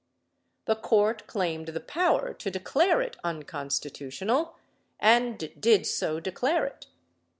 The Court claimed the power to declare it unconstitutional and did so declare it.